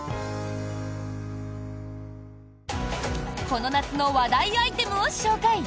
この夏の話題アイテムを紹介！